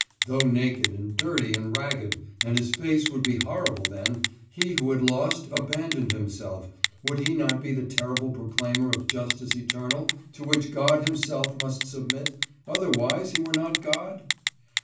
Though naked and dirty and ragged and his face would be horrible then he who had lost abandoned himself, would he not be the terrible proclaimer of justice eternal, to which God himself must submit otherwise he were not God?